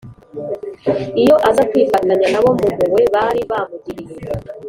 Iyo aza kwifatanya na bo mu mpuhwe bari bamugiriye